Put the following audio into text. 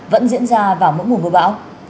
vẫn diễn ra vào mỗi mùa mưa bão